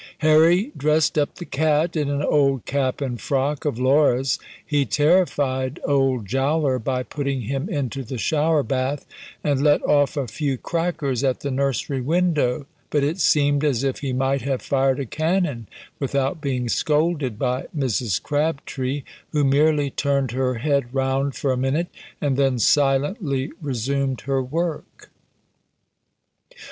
Harry dressed up the cat in an old cap and frock of Laura's, he terrified old Jowler by putting him into the shower bath, and let off a few crackers at the nursery window, but it seemed as if he might have fired a cannon without being scolded by Mrs. Crabtree, who merely turned her head round for a minute, and then silently resumed her work.